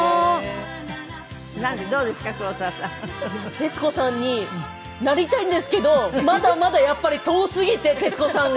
徹子さんになりたいんですけどまだまだやっぱり遠すぎて徹子さんが。